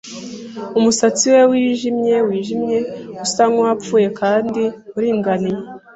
umusatsi we wijimye wijimye usa nkuwapfuye kandi uringaniye